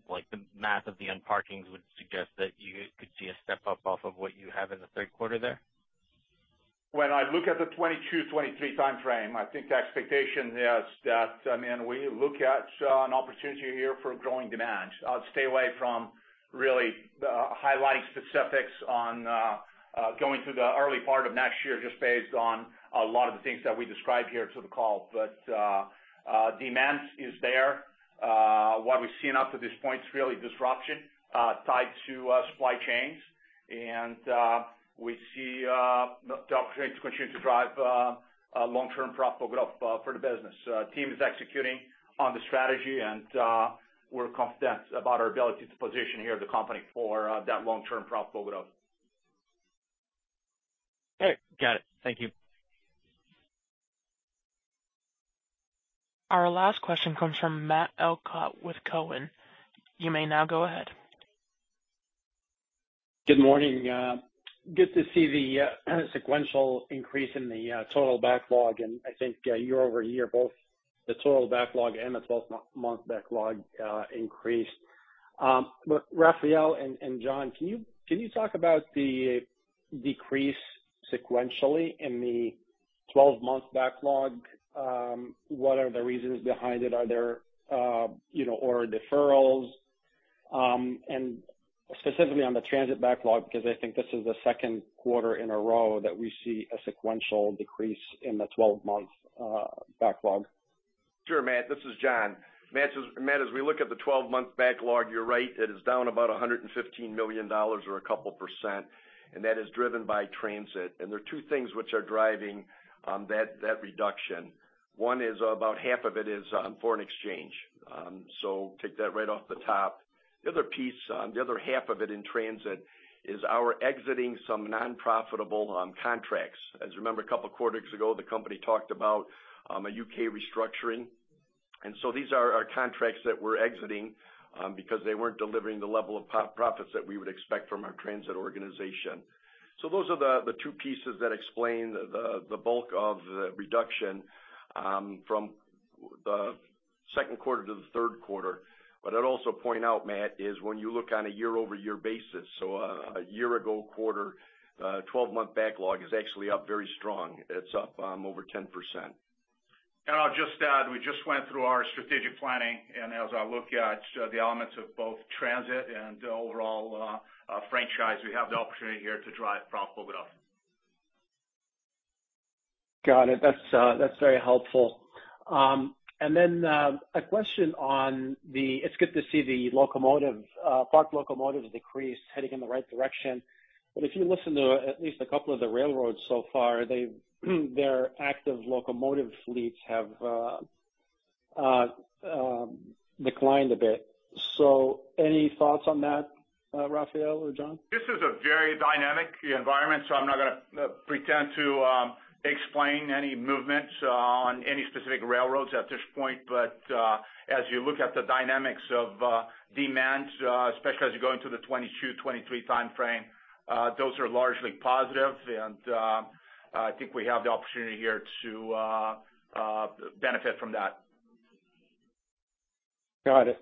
like the math of the unparkings would suggest that you could see a step up off of what you have in the third quarter there. When I look at the 2022-2023 timeframe, I think the expectation is that, I mean, we look at an opportunity here for growing demand. I'll stay away from really highlighting specifics on going through the early part of next year just based on a lot of the things that we described here to the call. Demand is there. What we've seen up to this point is really disruption tied to supply chains. We see the opportunity to continue to drive long-term profit growth for the business. Team is executing on the strategy and we're confident about our ability to position here the company for that long-term profit growth. Okay. Got it. Thank you. Our last question comes from Matt Elkott with Cowen. You may now go ahead. Good morning. Good to see the sequential increase in the total backlog. I think year-over-year, both the total backlog and the twelve-month backlog increased. Rafael and John, can you talk about the decrease sequentially in the 12-month backlog? What are the reasons behind it? Are there, you know, order deferrals? Specifically on the transit backlog, because I think this is the second quarter in a row that we see a sequential decrease in the 12-month backlog. Sure, Matt, this is John. Matt, as we look at the 12-month backlog, you're right, it is down about $115 million or a couple percent, and that is driven by transit. There are two things which are driving that reduction. One is about half of it is on foreign exchange. So take that right off the top. The other piece, the other half of it in transit is our exiting some non-profitable contracts. As you remember, a couple of quarters ago, the company talked about a U.K. restructuring, and so these are our contracts that we're exiting because they weren't delivering the level of profits that we would expect from our transit organization. Those are the two pieces that explain the bulk of the reduction from the second quarter to the third quarter. What I'd also point out, Matt, is when you look on a year-over-year basis, a year-ago quarter, 12-month backlog is actually up very strong. It's up over 10%. I'll just add, we just went through our strategic planning and as I look at the elements of both transit and the overall franchise, we have the opportunity here to drive profit growth. Got it. That's very helpful. A question on the. It's good to see the locomotive parked locomotives decrease heading in the right direction. If you listen to at least a couple of the railroads so far, their active locomotive fleets have declined a bit. Any thoughts on that, Rafael or John? This is a very dynamic environment, so I'm not gonna pretend to explain any movements on any specific railroads at this point. As you look at the dynamics of demand, especially as you go into the 2022-2023 timeframe, those are largely positive, and I think we have the opportunity here to benefit from that. Got it.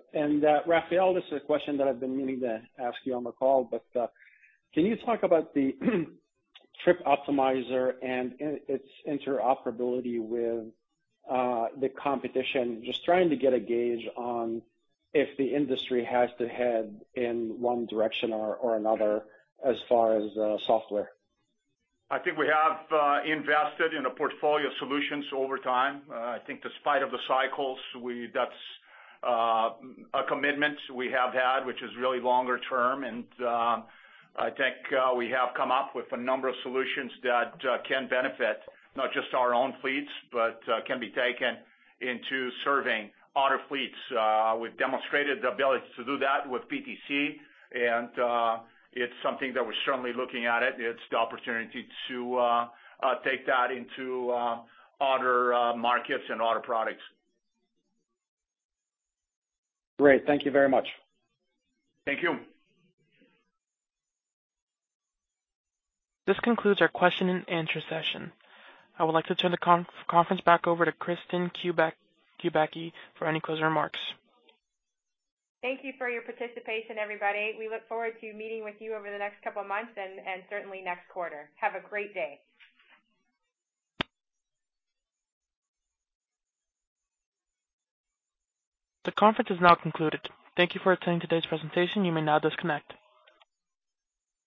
Rafael, this is a question that I've been meaning to ask you on the call, but can you talk about the Trip Optimizer and its interoperability with the competition? Just trying to get a gauge on if the industry has to head in one direction or another as far as software. I think we have invested in a portfolio of solutions over time. I think despite of the cycles, that's a commitment we have had, which is really longer term. I think we have come up with a number of solutions that can benefit not just our own fleets, but can be taken into serving other fleets. We've demonstrated the ability to do that with PTC, and it's something that we're certainly looking at it. It's the opportunity to take that into other markets and other products. Great. Thank you very much. Thank you. This concludes our question and answer session. I would like to turn the conference back over to Kristine Kubacki for any closing remarks. Thank you for your participation, everybody. We look forward to meeting with you over the next couple of months and certainly next quarter. Have a great day. The conference is now concluded. Thank you for attending today's presentation. You may now disconnect.